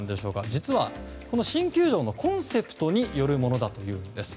実は、新球場のコンセプトによるものだということです。